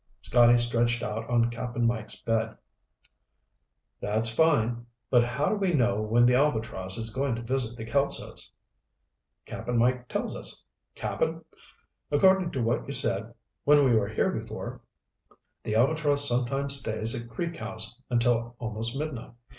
Scotty stretched out on Cap'n Mike's bed. "That's fine. But how do we know when the Albatross is going to visit the Kelsos?" "Cap'n Mike tells us. Cap'n, according to what you said when we were here before, the Albatross sometimes stays at Creek House until almost midnight.